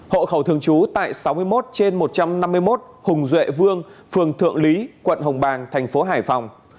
hộ khẩu thường trú tại sáu mươi một trên một trăm năm mươi một hùng duệ vương phường thượng lý quận hồng bàng thành phố hải phòng